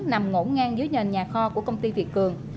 nằm ngỗ ngang dưới nhền nhà kho của công ty việt cường